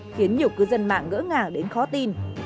khiến nhiều cư dân mạng ngỡ ngàng đến khó tin